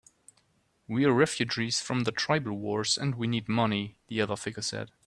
"We're refugees from the tribal wars, and we need money," the other figure said.